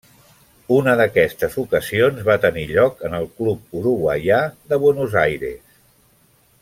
Una d'aquestes ocasions va tenir lloc en el Club uruguaià de Buenos Aires.